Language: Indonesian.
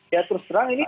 ya terus terang ini